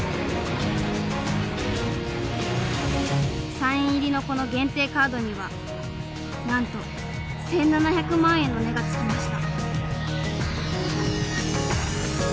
サイン入りのこの限定カードにはなんと１，７００万円の値がつきました。